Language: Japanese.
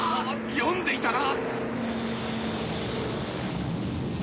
読んでいたな！